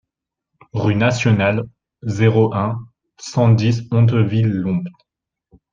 Rue Nationale, zéro un, cent dix Hauteville-Lompnes